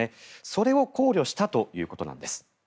それを考慮したということなんです。